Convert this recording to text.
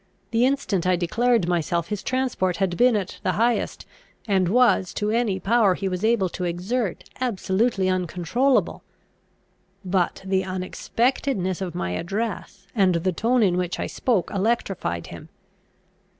The instant I declared myself his transport had been at the highest, and was, to any power he was able to exert, absolutely uncontrollable. But the unexpectedness of my address, and the tone in which I spoke, electrified him.